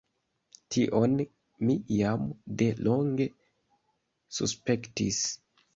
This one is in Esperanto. Tion mi jam de longe suspektis.